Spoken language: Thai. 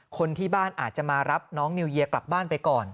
คนที่บ้านอาจจะมารับน้องนิวเยียกลับบ้านไปก่อน